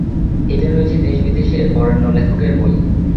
এতে রয়েছে দেশ বিদেশের বরেণ্য লেখকের বই।